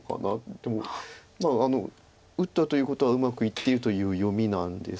でも打ったということはうまくいってるという読みなんですけど。